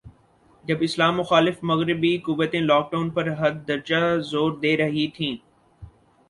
جب اسلام مخالف مغربی قوتیں, لاک ڈاون پر حد درجہ زور دے رہی تھیں